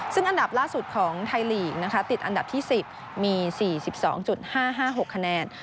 ซึ่งอันดับล่าสุดของไทยลีกนะคะติดอันดับที่๑๐มี๔๒๕๕๖คะแนน